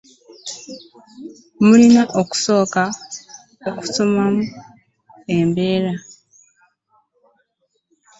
Mulina okusooka okufuluma ebweru.